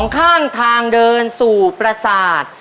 ข้างทางเดินสู่ประสาท